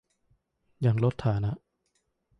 ยังลดฐานะ